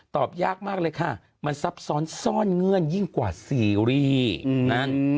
ตอบยากมากเลยค่ะมันซับซ้อนซ่อนเงื่อนยิ่งกว่าซีรีส์นั่น